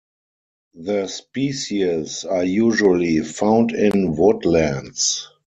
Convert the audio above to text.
The species are usually found in woodlands.